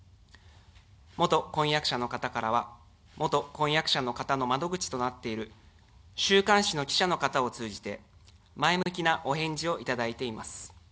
元婚約者の方からは、元婚約者の方の窓口となっている週刊誌の記者の方を通じて前向きなお返事をいただいています。